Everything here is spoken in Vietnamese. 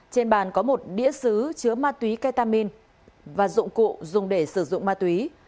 trên bàn có một đĩa xứ chứa ma túy ketamin và dụng cụ dùng để sử dụng ma túy